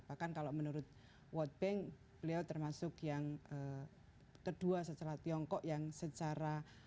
bahkan kalau menurut world bank beliau termasuk yang kedua setelah tiongkok yang secara